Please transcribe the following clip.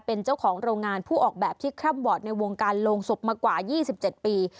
เป็นเจ้าของโรงงานผู้ออกแบบที่คร่ำวอร์ดในวงการโรงศพมากว่า๒๗ปี